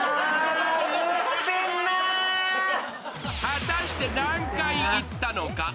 果たして何回言ったのか？